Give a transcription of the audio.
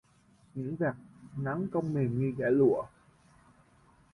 Những vạt nắng cong mềm như dải lụa